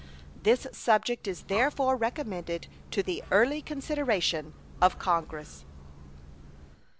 This subject is therefore recommended to the early consideration of Congress.